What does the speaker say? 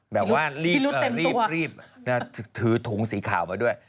แบบว่ารีบถือถุงสีขาวมาด้วย